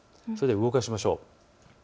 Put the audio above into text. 動かしましょう。